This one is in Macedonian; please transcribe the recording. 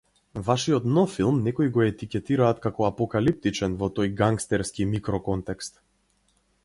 Вашиот нов филм некои го етикетираат како апокалиптичен во тој гангстерски микроконтекст.